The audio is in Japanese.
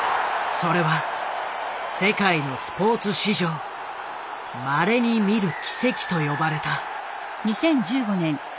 それは世界のスポーツ史上まれに見る奇跡と呼ばれた。